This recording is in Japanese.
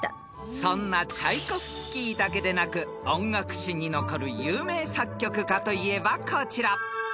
［そんなチャイコフスキーだけでなく音楽史に残る有名作曲家といえばこちら］